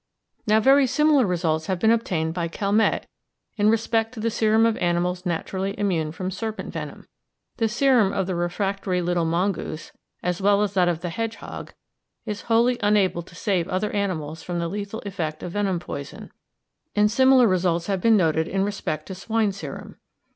Now very similar results have been obtained by Calmette in respect to the serum of animals naturally immune from serpent venom. The serum of the refractory little mongoose, as well as that of the hedgehog, is wholly unable to save other animals from the lethal effect of venom poison, and similar results have been noted in respect to swine serum.